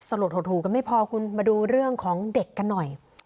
หลดหดหูกันไม่พอคุณมาดูเรื่องของเด็กกันหน่อย